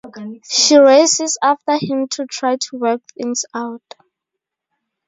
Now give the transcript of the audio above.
She races after him to try to work things out.